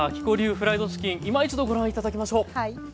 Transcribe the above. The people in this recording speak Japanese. フライドチキンいま一度ご覧頂きましょう。